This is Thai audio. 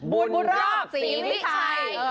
บุณรอบสีวิชัย